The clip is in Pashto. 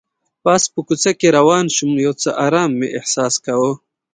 پاس په کوڅه کې روان شوم، یو څه ارام مې احساس کاوه.